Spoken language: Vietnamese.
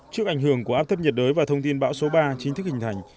trước ảnh hưởng của áp thấp nhiệt đới và thông tin bão số ba chính thức hình thành